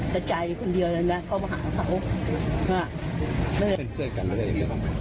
แต่ใจคนเดียวนั่นแหละเข้ามาหาเขาอ๋ออ๋อเป็นเพื่อนกันหรือเปล่า